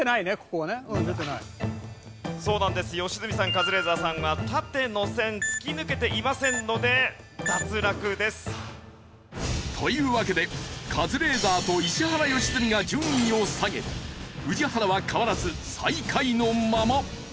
カズレーザーさんが縦の線突き抜けていませんので脱落です。というわけでカズレーザーと石原良純が順位を下げ宇治原は変わらず最下位のまま。